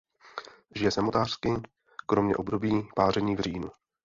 Žije samotářsky kromě období páření v říjnu.